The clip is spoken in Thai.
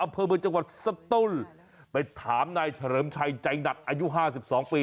อำเภอเมืองจังหวัดสตูนไปถามนายเฉลิมชัยใจหนักอายุห้าสิบสองปี